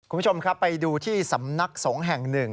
คุณผู้ชมไปดูที่ศำนักสงคร์แห่ง๑